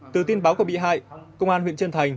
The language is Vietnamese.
từ tin báo của bị hại công an huyện trân thành